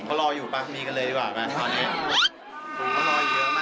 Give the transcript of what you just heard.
เขารออยู่ป่ะมีกันเลยดีกว่าป่ะตอนนี้เขารออยู่เยอะมากเลย